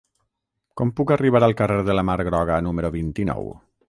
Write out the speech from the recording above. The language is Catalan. Com puc arribar al carrer de la Mar Groga número vint-i-nou?